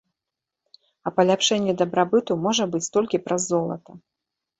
А паляпшэнне дабрабыту можа быць толькі праз золата.